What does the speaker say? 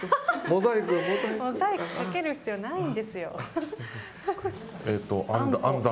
モザイクかける必要ないんですよ。